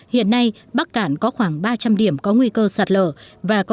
hiện nay bắc cạn có khoảng ba trăm linh điểm có nguy cơ sạt lở